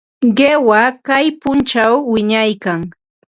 Qiwa kay punkućhaw wiñaykan.